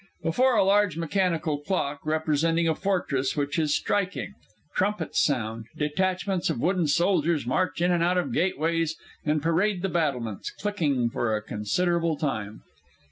_ _Before a large mechanical clock, representing a fortress, which is striking. Trumpets sound, detachments of wooden soldiers march in and out of gateways, and parade the battlements, clicking for a considerable time.